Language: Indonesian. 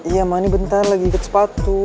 iya ma ini bentar lagi ikat sepatu